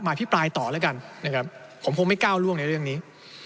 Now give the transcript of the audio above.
อภิปรายต่อแล้วกันนะครับผมคงไม่ก้าวล่วงในเรื่องนี้